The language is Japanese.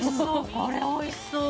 これはおいしそう。